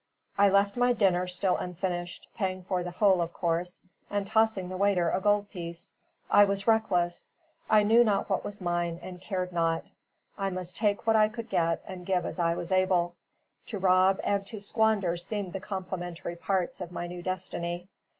I left my dinner still unfinished, paying for the whole, of course, and tossing the waiter a gold piece. I was reckless; I knew not what was mine and cared not: I must take what I could get and give as I was able; to rob and to squander seemed the complementary parts of my new destiny.